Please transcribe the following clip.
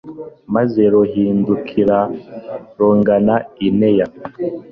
maze rugahindukira rugana i neya